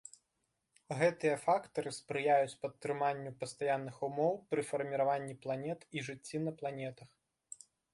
Гэтыя фактары спрыяюць падтрыманню пастаянных умоў пры фарміраванні планет і жыцці на планетах.